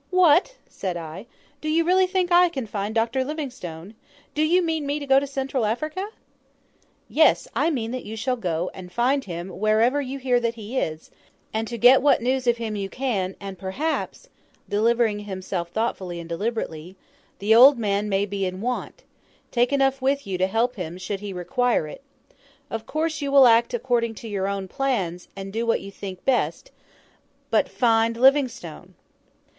"What!" said I, "do you really think I can find Dr Livingstone? Do you mean me to go to Central Africa?" "Yes; I mean that you shall go, and find him wherever you may hear that he is, and to get what news you can of him, and perhaps" delivering himself thoughtfully and deliberately "the old man may be in want: take enough with you to help him should he require it. Of course you will act according to your own plans, and do what you think best BUT FIND LIVINGSTONE!"